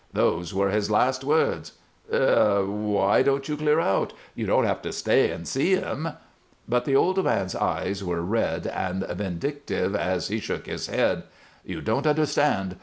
Those were his last words " "Er why don't you clear out? You don't have to stay and see him." But the old man's eyes were red and vindictive as he shook his head. "You don't understand.